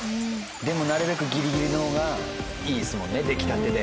でもなるべくギリギリの方がいいですもんね出来たてで。